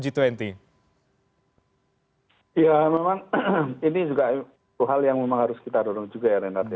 ya memang ini juga hal yang memang harus kita dorong juga ya renat ya